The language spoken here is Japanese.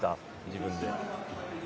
自分で。